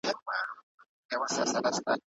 سياسي مشران بايد د جګړې پر ځای سوله غوره کړي.